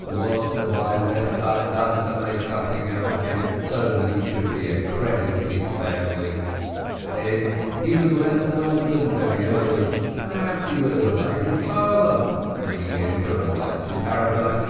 What have I left undone to make something out of him, so that he should be a credit to his family ? Then, he was left an orphan very early ; perhaps he would have obeyed his father (may he enter a lightsome paradise